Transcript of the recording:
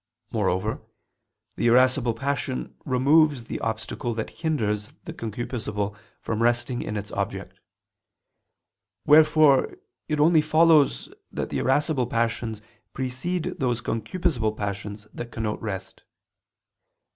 Moreover, the irascible passion removes the obstacle that hinders the concupiscible from resting in its object. Wherefore it only follows that the irascible passions precede those concupiscible passions that connote rest.